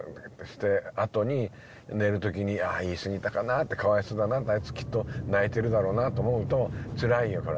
してあとに寝る時にああ言い過ぎたかなってかわいそうだなあいつきっと泣いてるだろうなと思うとつらいよ